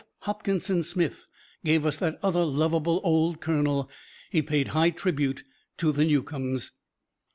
Hopkinson Smith, gave us that other lovable old Colonel he paid high tribute to "The Newcomes."